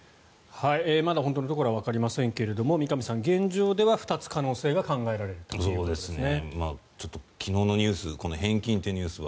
まだ本当のところはわかりませんが三上さん、現状では２つ可能性が考えられるということですね。